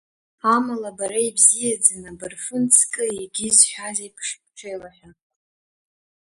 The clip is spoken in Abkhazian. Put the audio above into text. Амала бара ибзиаӡаны абарфын ҵкы егьи зҳәаз еиԥш бҽеилаҳәа.